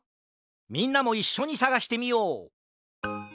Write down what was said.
みんなもいっしょにさがしてみよう！